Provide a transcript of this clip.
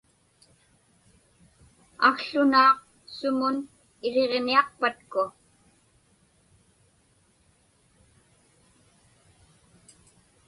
Akłunaaq sumun iriġniaqpatku?